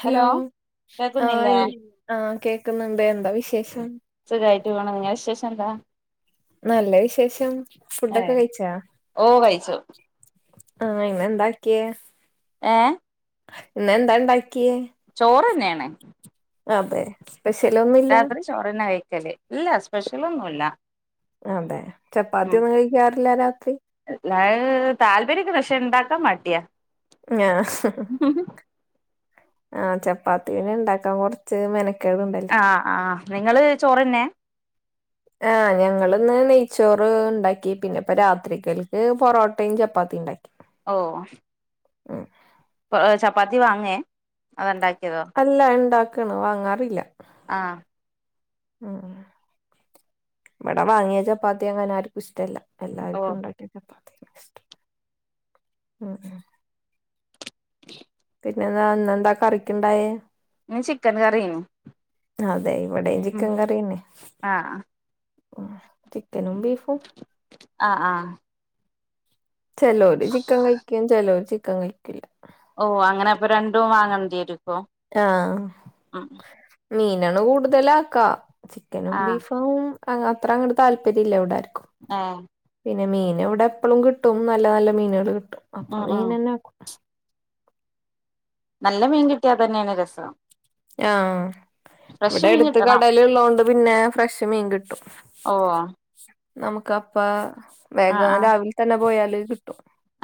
Hello ആഹ കേക്കുന്നില്ലേ ആഹ കേക്കുന്നുണ്ട് എന്താ വിശേഷം? േ [unintelligible] ണ നിങ്ങ വിശേഷം എന്താ നല്ല വിശേഷം ഫുഡൊക്കെ ഏഹ് കഴിച്ച ഓ കഴിച്ചു ആഹ ഇന്ന്ന്താക്കിയ. ഏ. ഇന്നെന്താ ണ്ടാക്കിയേ? ചോറ് ന്നെയാണ് അതെ പെഷലൊന്നുല്ല. ചോറെന്നെ ഇല്ല സ്പെഷ്യൽ ഒന്നുല്ല അതെ ചപ്പാത്തി ഒന്നും കഴിക്കാറില്ല രാത്രി [inaudible] താല്പര്യൊക്കെണ് പക്ഷെ ണ്ടാക്കാം മടിആ ആ ആ ചപ്പാത്തീനെ ണ്ടാക്കാം കൊർച്ച് മനക് ആ അ നിങ്ങള് ചോറെന്നെ? ആ ഞങ്ങള് ന്ന് നെയ്ച്ചോറ് ണ്ടാക്കി പിന്നെ പ്പം രാത്രികൽക്ക് പൊറോട്ടേം ചപ്പാത്തിം ണ്ടാക്കി ഓ ആ ആ [unintelligible] ചപ്പാത്തി വാങ്ങേ അതോ ണ്ടായ് അല്ല ണ്ടാക്ക്ആണ് വാങ്ങാറില്ല ആ അ ആ വടെ വാങ്ങിയ ചപ്പാത്തി അങ്ങനെ ആര്ക്കു ഷ് റ്റല്ല ഓ എല്ലാര്ക്കും ണ്ടാകിയ ചപ്പാത്തിന്നെ ഷ്ടം പിന്നതാ ന്നന്താ കറിക്ക്ണ്ടായേ ന് ചിക്കൻ കറിഏനി അതെ ഇവിടേം ചിക്കം കറിഎന്നെ ആഹ് ഉം ചിക്കനും ബീഫും ആഹ് ആഹ് ചെലോര് ചിക്കം കഴ്ക്കും ചെലോര് ചിക്കം കഴ്ക്കില്ല ഓ അങ്ങനെ അപ്പം രണ്ടും വാങ്ങെണ്ടിഎരും ആ മീനാണ് കൂടുതലാക്ക ചിക്കനും ആഹ് ബീഫും അ അത്ര അങ്ങട്ട് താല്പര്യ ല്ല വ്ടാരാകും ആ പിന്നെ മീന് ഇവിടെ എപ്പളും കിട്ടും ന്നല്ല ന്നല്ല മീനള് കിട്ടും ഉം അപ്പം ഉം മീനെന്നാക്കും ന്നല്ല മീം കിട്ടിആ അതെന്നെണ് രസം ആ ഫ്രഷ് ഇവടെ മീൻ എട്ത്ത് കിട്ടണം കടല് ള്ളോണ്ട് പിന്നെ ഫ്രഷ് മീം കിട്ടും ഓ ന്നമുക്ക് അപ്പ വേഗം രാവിൽ തന്നെ പോയാല് ക്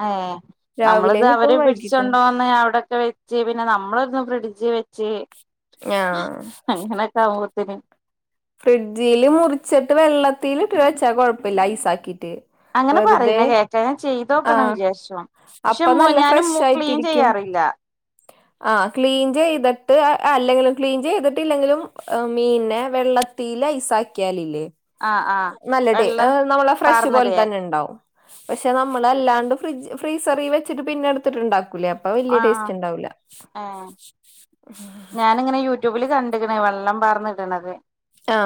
ആ ന്നമ്മള്ത് കിട്ടും അവര് വൈകിട്ടും കിട്ടും പിടിച്ചണ്ടോന്നെ ഔടൊക്കെ വെച്ച് പിന്നെ ന്നമ്മളൊന്ന് ഫ്രിട്ജ് വെ ഞാ [unintelligible] അങ്ങനൊക്കാഉമ്പോത്തിന് ഫ്രിഡ്ജീല് മുറിച്ചിട്ട് വെള്ളത്തീലിട്ട് വെച്ചാ കൊഴപ്പല്ല ഐസാക്കിട്ട് റ്റ് അങ്ങനെ വെറുതെ പറയുന്ന കേക്കാ ഞാൻ ആ ചെയ്തോക്കണം വിചാരിച്ചു പക്ഷെ അപ്പം മോ ന്നല്ല ഞാനും മു ക്ലീൻ ഫ്രഷായിട്ടിരിക്കും ചെയ്യാറില്ല ആ ക്ലീൻജെ ത്ട്ട് അല്ലെങ്കിലും ക്ലീൻ ചെയ്തിട്ട്ല്ലെങ്കിലും മീൻനെ വെള്ളത്തീല് ഐസാക്യാല് ല്ലേ ആഹ് ആഹ് നല്ല ട്ടെ ഏ വെള്ളം ന്നമ്മളെ ഫ്രഷ് പോൽ പാർന്നിടേ തന്നെ ണ്ടാവും പക്ഷെ നമ്മളെല്ലാണ്ട് ഫ്ര് ഫ്രീസറീ വെച്ചിട്ട് പിന്നട്ത്ത്ട്ട്ണ്ടാ ക്കുലേ അപ്പ വെല്ല്യ ആഹ് ആഹ് ടേസ്റ്റ് ണ്ടാഊല ഏഹ് വല്കണ്ട്ക്ണ് വെള്ളം പാർന്ന്ടണത് ആ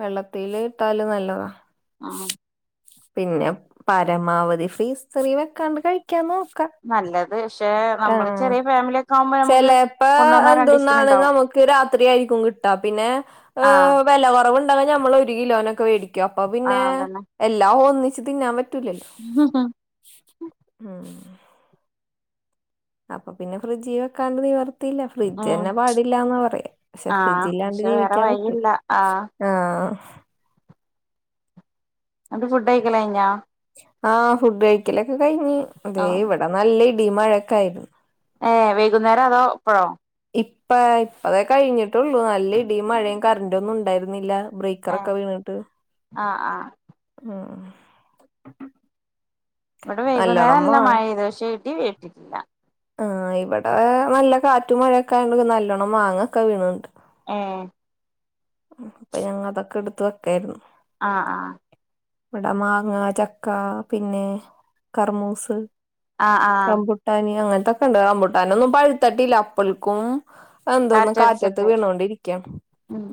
വെള്ളത്തീല് ഇട്ടാല് ന്നല്ലതാ ആ പിന്നെ പരമാവധി ഫ്രീസറി വെക്കാണ്ട് കഴിക്കാ ന്നോ ക്ക നല്ലത് പക്ഷെ ആ നമ്മള് ചെറിയ ഫാമിലി ഒക്കെ ആവുമ്പോ നമുക്ക് ചെലേപോ കൊണ്ടോന്നാ എന്തുന്നാണെ രണ്ടീസത്തിനുണ്ടാവും ന്നമുക്ക് ത്ത് രാത്രിയായിരിക്കും കിട്ട പിന്നെ ഏ ആഹ് വെലകൊറവ്ൺ ണ്ടാഉമ്പം ഞമ്മള് ഒര് കിലോനൊക്കെ വേടിക്കും അപ്പൊ പിന്നെ ആഹ് അതന്നെ എല്ലാ ഒന്നിച്ച് തിന്നാൻ പറ്റ് റ്റുല എല്ലോ ആ അപം പിന്നെ ഫ്രിഡ്ജ് വെക്കാണ്ട് മീം വറ് ത്തില്ല ഉം ഫ്രിഡ്ജെന്നെ പാടില്ലാന്നാ പറിആ ക്ഷെ ആഹ് ഫ്രിഡ്ജ് ഇല്ലാണ്ട് പക്ഷെ വേറെ ജീവിക്കാൻ പറ്റൂല വഴിയില്ല ആഹ് ആ അൻ്റ ഫുഡ്ഡഴ്ക്കലൈഞോ? ആ ഫുഡ് കഴിക്കലൊക്കെ കഴിഞ്ഞ് അതേ ആഹ് ഇവടെ നല്ല ഇടിയും മഴക്കെയായിരുന്നു ഏഹ് വൈകുന്നേരം അതോ ഇപ്പഴോ ഇപ്പ ഇപ്പതേ കഴിഞ്ഞിട്ടുള്ളൂ നല്ല ഇടിയും മഴയും കറന്റും ഒന്നും ഉണ്ടായിരുന്നില്ല ബ്രേക്കറെക്കെ ഏഹ് വീണിട്ട് ആഹ് ആഹ് ഉ ഇവിടെ വൈകുന്നേരം നല്ല മഴ പെയ്തു പക്ഷേ ഇടി വെട്ടിട്ടില്ല ആ ഇവിടെ നല്ല കാറ്റും മഴയുംയൊക്കെയാക്കൊണ്ട് നല്ലോണ്ണം മാങ്ങൊക്കെ വീണണ്ട് ആ അപ്പൊ ഞങ്ങൾ അതൊക്കെ എടുത്ത് വെക്കെയായിരുന്നു ആ ആ ഇവിടെ മാങ്ങ, ചക്ക, പിന്നെ കർമൂസ് ആഹ് ആഹ് റബുട്ടാനി അങ്ങനത്തൊക്കെ ഒണ്ട് റബുട്ടാനൊന്നും പഴുത്തിട്ടില്ല പ്പിൾക്കും എന്തോന്ന് കാറ്റത്ത് കാറ്റടിച്ചിട്ട് വീണോണ്ടിരിക്കും ഉം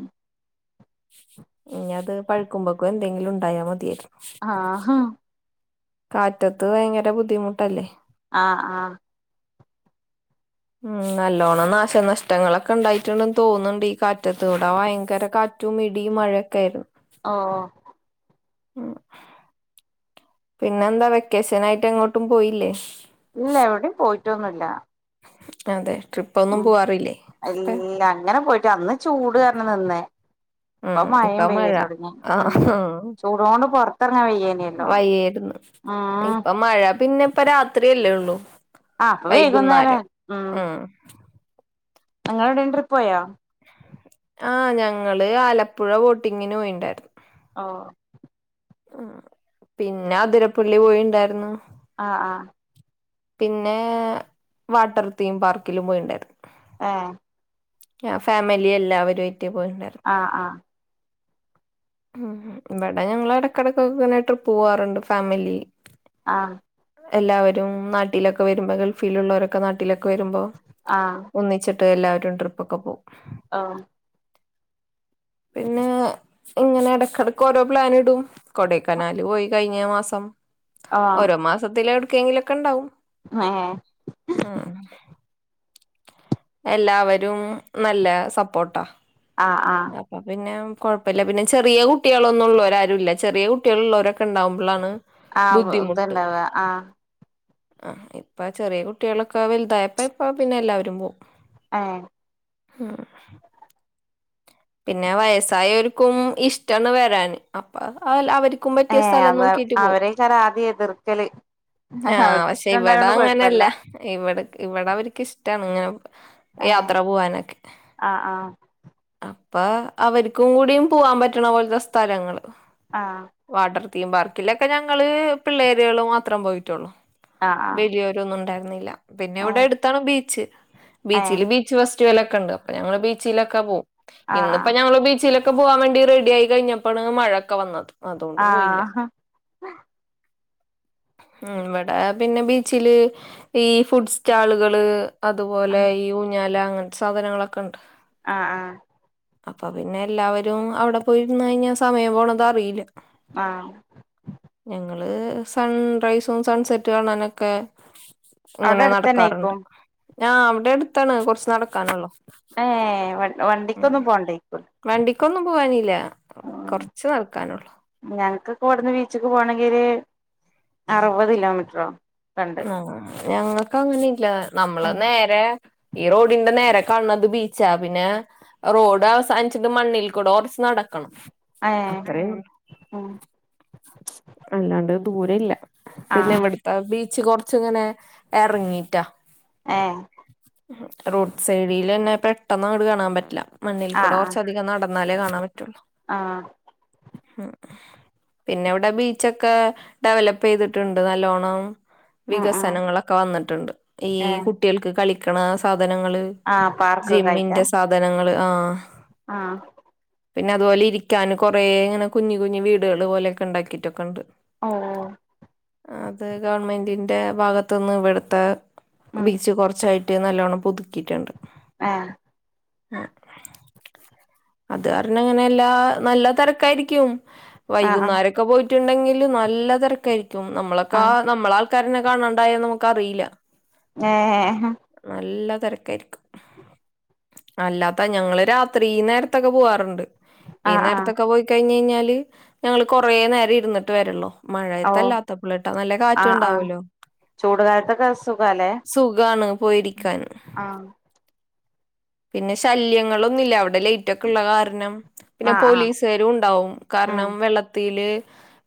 ഇനി അത് പഴുക്കുമ്പക്കും എന്തെങ്കിലും ഉണ്ടായാ മതിയായിരുന്നു ആ ഹഹ കാറ്റത്ത് ഭയങ്കര ബുദ്ധിമുട്ടല്ലേ ആ ആ ഉം നല്ലോണം നാശനഷ്ടങ്ങളൊക്കെ ഒണ്ടായിട്ടുണ്ടെന്ന് തോന്നുന്നുണ്ട് ഈ കാറ്റത്തൂടെ ഭയങ്കര കാ റ്റും ഇടിയും മഴയുംയൊക്കെ ആയിരുന്നു ഹ ഉം പിന്നെന്താ വെക്കേഷൻ ആയിട്ട് എങ്ങോട്ടും പോയില്ലേ ഇല്ല എവിടെയും പോയിട്ടൊന്നുമില്ല അതെ ട്രിപ്പ് ഒന്നും ഉം പോവാറില്ലേ ഇപ്പ അല്ല അങ്ങനെ പോയിട്ട് അന്ന് ചൂട് കാരണം നിന്നയ അപ്പൊ ഉം ഇപ്പ മഴയും മഴ പെയ്യാൻ തെടങ്ങി ആഹ് ചൂടോണ്ട് പൊറത്തിറങ്ങാൻ വയ്യേനല്ലോ വയ്യായിരുന്നു ഉം ഇപ്പ മഴ പിന്നെ ഇപ്പ രാത്രിയല്ലേ ഉള്ളൂ ആഹ് അപ്പൊ വൈകുന്നേരം ഉം ഞങ്ങൾ എവിടെയെലും ട്രിപ്പ് പോയാ ആഹ് ഞങ്ങള് ആലപ്പുഴ ബോട്ടിങ്ങിന് പോയിണ്ടായിരുന്നു ആ പിന്നെ അതിരപ്പുള്ളി പോയിണ്ടായിരുന്നു ആ ആ പിന്നെ വാട്ടർതീയും പാർക്കിലും പോയിണ്ടായിരുന്നു ആ ആ ഫാമിലി എല്ലാവരും ആട്ട് പോയിണ്ടായിരുന്നു ആഹ് ആഹ് ഉ ഇവിടെ ഞങ്ങളെ എടക്കെടെക്ക് ഇങ്ങനെ ട്രിപ്പ് പോവാറുണ്ട് ഫാമിലി ആ എല്ലാവരും നാട്ടിലൊക്കെ വരുമ്പോ ഗൾഫിലെള്ളവരൊക്കെ നാട്ടിലൊക്കെ വരുമ്പോ ആഹ് ഒന്നിച്ചി ട്ട് എല്ലവരും ട്രിപ്പ് ഒക്കെ പോവും ആ പിന്നെ ഇങ്ങനെ എടക്കിടക്ക് ഓരോ പ്ലൻ ഇടും കൊടെക്കനാല് പോയി കഴിഞ്ഞ മാസം ഓ ഓരോ മാസത്തിലെ എവിടക്കെങ്കിലും ഒക്കെ ഒണ്ടാവും ഏ ഉ എല്ലാവരും നല്ല സപ്പോർട്ടാ ആഹ് ആഹ് അപ്പൊ പിന്നെ കെഴപ്പയില്ല പിന്നെ ചെറിയ കുട്ടികളൊന്നും ഉള്ളവര ആരും ഇല്ല ചെറിയ കുട്ടികൾ ഉള്ളവരൊക്കെ ഒണ്ടാവുമ്പഴാണ് ആ ഇതണ്ടാവ ആ ആ് ഇപ്പ ചെറിയ കുട്ടികളൊക്കെ വലുതായപ്പ ഇപ്പ പിന്നെ എല്ലാവരും പോ ഏ ആ പിന്നെ വയസ്സായവർക്കും ഇഷ്ടവാണ് വരാന് അപ്പ അവരി ഏ അത അവരെക്കറ ആദ്യ എതിർക്കല് ആഹ അവർക്ക് പക്ഷെ ഇഷ്ടം ഇവിട ഉണ്ടായോണ്ട് അങ്ങനല്ല കൊഴപ്പല്ല ഇവിടെ ഇവിടെ അവർക്ക് ഇഷ്ടാണ് ഇങ്ങനെ ഏ യാത്ര പോവാനൊക്കെ ആഹ് ആഹ് അപ്പ അവർക്കും കൂടിയും പോവാൻ പറ്റണ പോലത്തെ സ്ഥലങ്ങള് ആഹ തിമപാർക്കിലൊക്കെ ഞങ്ങള് പിള്ളേരുകള് മാത്രം പോയിട്ടുള്ളു ആഹ് വലിയോരോന്നും ഉണ്ടായിട്ടില്ല പിന്നെ ഇവിടെ ആഹ് എടുത്താണ് ബീച്ച് ഏ ഏ ബീച്ചില് ബീച്ച് റ്റുവലേക്കെണ്ട് അപ്പൊ ഞങ്ങള് ബീച്ചിലൊക്കെ പോകും ഇന്ന്പ്പോ ആഹ് ഞങ്ങള് ബീച്ചിലെ ഒക്കെ പോവാൻ വേണ്ടി റെഡി ആയി കഴിഞ്ഞപ്പോണ് മഴൊക്കെ വന്നത് അതുകൊണ്ട് പോയില്ല ആഹ് ആഹ് ഇവിടെ പിന്നെ ബീച്ചില് ഈ ഫുഡ് സ്റ്റാളുകള് അതുപോലെ ഈ ഊഞ്ഞാല അങ്ങ സാധനങ്ങളൊക്കെ ഉണ്ട് ആഹ ആഹ അപ്പൊ പിന്നെ എല്ലാവരും അവിടെ പോയിന്ന് കഴിഞ്ഞാൽ സമയം പോണത അറിയില്ല ആഹ ഞങ്ങള് സൺറൈസും സൺസെറ്റും കാണനൊക്കെ അവിടെ ഇങ്ങനെ നടക്കാറുണ്ട് അടുത്തന്നേക്കും ഞാ അവിടെ അടുത്താണ് കുറച്ച് നടക്കാനുള്ളോ ഏ ഉ വണ്ടിക്കൊന്നും പോണ്ടേക്കും വണ്ടിക്കൊന്നും പോവാനില്ല കൊറച്ച്നക്കാനുള്ളൂ ഞങ്ങക്ക് കോവിടന്ന് ബീച്ചക്ക് പോണെങ്കിൽ ഒരു അറുപത് കിലോമീറ്ററോ ഒക്കെണ്ട് ആ ഞങ്ങൾക്ക് അങ്ങനെ ഇല്ല നമ്മള് ഉം നേരെ ഈ റോഡിന്റെ നേര കണ്ണത് ബീച്ചാ പിന്നെ റോഡ് അവസാനിച്ചിട്ട് മണ്ണിൽ കൂടെ കുറച്ച് നടക്കണം ഏ അത്ര ഉം അല്ലാണ്ട് ദൂര ഇല്ല ആ പിന്നെ ഇവിടുത്തെ ബീച്ച് കൊറച്ച് ഇങ്ങനെ ഇറങ്ങീട്ടാ എ റോഡ് സൈഡിൽ തന്നെ പെട്ടെന്ന് അങ്ങട് കാണാൻ പറ്റില്ല മണ്ണിൽ കൂടെ കുറച്ചധികം നടക്ക ന്നാലെ കാണൻ പറ്റുള്ളൂ ആഹ ഉ പിന്നെ ഇവിടെ ബീച്ചൊക്കെ ഡെവലപ്പ് ചെയ്തിട്ടുണ്ട് നല്ലോണ്ണം ഉം ഉം വികസനങ്ങളൊക്കെ വന്നിട്ടുണ്ട് ഈ ഏ കുട്ടികൾക്ക് കളിക്കണ സാധ സാധനങ്ങള് ആ ജിമ്മിന്റെ സാധനങ്ങള് ആ ആഹ പിന്നെ അതുപോലെ ഇരിക്കാന് കുറേ ഇങ്ങനെ കുഞ്ഞഞ് കുഞ്ഞു വീടുകൾ പോലെയൊക്കെ ഉണ്ടാക്കിട്ടൊക്കെ ഉണ്ട് ഓ അത് ഗവൺമെന്റിന്റെ ഭാഗത്ത നിന്ന് ഇവിടുത്തെ ഉം ബീച്ച് കുറച്ചായിട്ട് മറ്റിനല്ലോണ്ണം പുതുക്കിട്ടുണ്ട് ഏ ഉ അത് കാരണം അങ്ങനെ എല്ലാ നല്ല തിരക്കായിരിക്കും ആ ആ വൈകുന്നേരൊക്കെ പോയിട്ട് പോയിറ്റുണ്ടെങ്കിൽ നല്ല തിരക്കായിരിക്കും ആ നമ്മളൊക്കെ നമ്മള ആൾക്കാരനെ കാണണ്ടായന്ന് നമുക്ക് അറിയില്ല ഏ തിരക്ആയിരിക്കും അല്ലാത്ത ഞങ്ങള് രാത്രി നേരത്തൊക്കെ പോവാറുണ്ട് ഈ ആ ആ നേരത്തൊക്കെ പോയി കഴിഞ്ഞഞ് കഴിഞ്ഞാല് ഞങ്ങള് കൊറെ നേരം ഇരുന്നിട്ട് വരുള്ളോ ഓ മഴയത്തല്ലാത്ത യപ്പള് നല്ല കാറ്റ് ഉണ്ടാവല്ലോ ചൂട്കാലത്തൊക്കെ സുഖല്ലേ സുഖാണ് പോയിരിക്കാൻ ആഹ പിന്നെ ശല്യങ്ങളൊന്നുമില്ല അവിടെ ലൈറ്റ് ഒക്കെ ഉള്ള കാര പിന്നെ ആ ആ പോലീസുകാരും ഉണ്ടാവും ഉം കാരണം വെള്ളത്തിൽ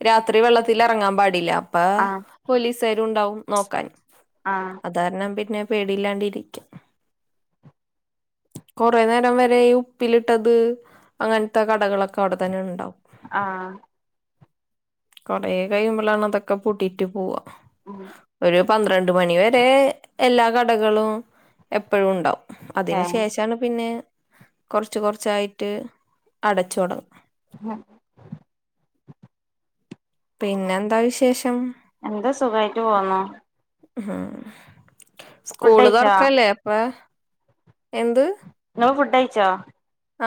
രാത്രി വെള്ളത്തി ഇറങ്ങാൻ പാടില്ല അപ്പ ആ പോലീസുകാരും ഉണ്ടാവും നോക്കാൻ ആ അതാരണം പിന്നെ പേടില്ലാണ്ട ഇരിക്കാം കുറെേ നേരം വരെഈ ഉപ്പിലിട്ടത് അങ്ങനത്തെ കടകളൊക്കെ അവിടെ തന്നെ ഉണ്ടാവും ആഹ കൊറേ കഴിയുമ്പോളാണ് അതൊക്കെ പൂട്ടീറ്റ് പോവാ. ഉം. ഒരു പന്ത്രണ്ട് മണിവരെ എല്ലാ കടകളും എപ്പോഴും ഉണ്ടാവും. ഏ അതിന് ശേഷമാണ് പിന്നെ കൊറച്ച് കൊറച്ചായിട്ട് അടച്ചൊടങ്ങും. ആഹ്. പിന്നെന്താ വിശേഷം? എന്താ സുഖായിട്ട് പോന്നു ഉം ഫുഡ് സ്കൂള് കഴിച്ചോ തൊറക്കല്ലേ അപ്പൊ. എന്ത്? [unintelligible] ഫുഡയിച്ചോ?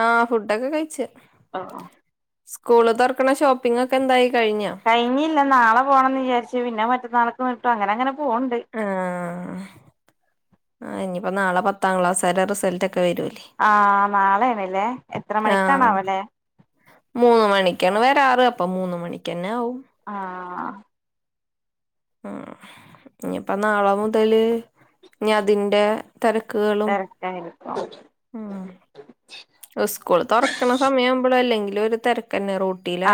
ആ.. ഫുഡൊക്കെ കൈച്. ആഹാ. സ്കൂള് തൊറക്കണ ഷോപ്പിങ്ങക്കെ എന്തായി? കഴിഞ്ഞോ കഴിഞ്ഞില്ല നാളെ പോണംന്ന് വിജാരിച്ച് പിന്നെ മറ്റന്നാൾക്ക് നീട്ടും അങ്ങനെങ്ങനെ. ആ.. ഹ് ആ ഇനിപ്പോ നാളെ പത്താം ക്ലാസെരെ റിസൾട്ട ആ.. ഹ് നാളേണ്ലെ എത്ര മണിക്കാണാവലെ? ന്ന് മണിക്കാണ് വരാറ് അപ്പം മൂന്ന് മണി ക്കെന്നെ ആവും. ആഹ. ഉം ഞ്പ്പം നാളെ മുതല് ഹ്മ് ഇഞ്ഞതിന്റെ. തെരക്കുകളും തെരക്കായിരിക്കും ഉം. ഇസ്കൂൾ തൊറക്കണ സമയ ആവുമമ്പൊഴേ അല്ലെങ്കിലും ഒരു തെരക്കന്നെ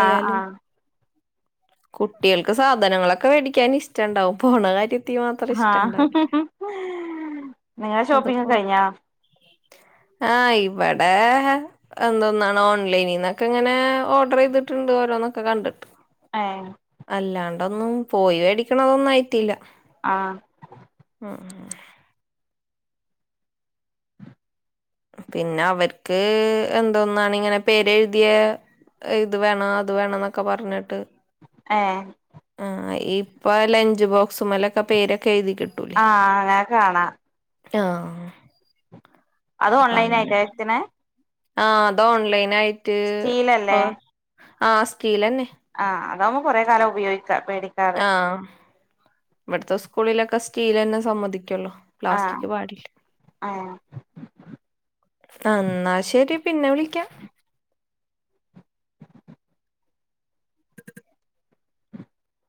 ആഹ് ആഹ് കുട്ടിൾക്ക് സാധനങ്ങളൊക്കെ വേടിക്കാൻ ഇഷ്ട്ടണ്ടാവും പോണ കാര്യ ആ ഹ് ഹ്‌ ഹ്.. നിങ്ങെ അതിപ്പോ ഷോപ്പിങ്ങക്കെ കഴിഞ്ഞോ? ആഹ് ഇവടെ.. ഹ്‌. എന്തൊന്നാണ് ഓൺലൈനിന്നൊക്കെ ഇങ്ങനെ ഓഡറെയ്തിട്ടുണ്ട് ഓരോന്നൊക്കെ കണ്ടിട്ട്. ഏഹ് അല്ലാണ്ടൊന്നും പോയി വേടിക്ക്ണതൊന്നും ആയിട്ടില്ല. ആഹ് ഹ്‌ ഹ്മ്. പിന്നെ അവര്ക്ക് എന്തോന്നാണ് ഇങ്ങനെ പേരെഴുതിയ. ഇത് വേണം അത് വേണന്നൊക്കെ പറഞ്ഞിട്ട്. ഏ ഹ്‌. ആ ഇപ്പ ലഞ്ച് ബോക്സ്മലൊക്കെ പേരൊക്കെ എഴുതി. കിട്ടൂലേ ആഹ്‌ അങ്ങനെ കാണാം. [unintelligible] അത് ഓൺലൈനായിട്ടാ വര്ത്ത്ണെ? ആ അത് ഓൺലൈൻ ആയിട്ട് അ സ്റ്റീലല്ലേ ആഹ്‌ സ്റ്റീലെന്നെ. അഅതാവുമ്പോ കൊറേ കാലം ഉപയോഗിക്കാ പേടിക്കാതെ. ഇവിട്ത്തെ സ്കൂളിലൊക്കെ സ്റ്റീലെന്നെ സമ്മതിക്കുള്ളൂ. ആഹ് പ്ലാസ്റ്റിക് പാടില്ല ഏഹ് എന്നാ ശെരി. പിന്നെ വിളിക്കാ.